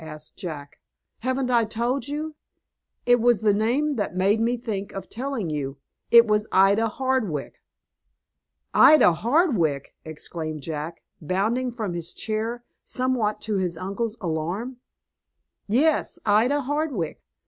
asked Jack. "Haven't I told you? It was the name that made me think of telling you. It was Ida Hardwick." "Ida Hardwick!" exclaimed Jack, bounding from his chair, somewhat to his uncle's alarm. "Yes, Ida Hardwick.